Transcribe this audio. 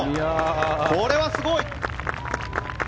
これはすごい！